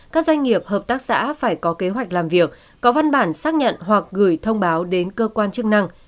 các doanh nghiệp hợp tác xã phải có kế hoạch làm việc có văn bản xác nhận hoặc gửi thông báo đến cơ quan chức năng